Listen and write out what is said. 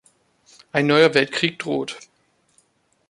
Ein neuer Weltkrieg droht.